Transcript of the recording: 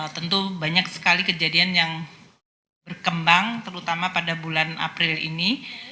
tentu banyak sekali kejadian yang berkembang terutama pada bulan april ini